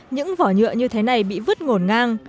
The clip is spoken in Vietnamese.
những vỏ nhựa như thế này bị vứt ngổn ngang